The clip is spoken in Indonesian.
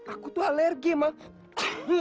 aku tuh alergi mah